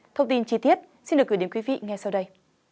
thông tin chi tiết xin được gửi đến quý vị ngay sau đây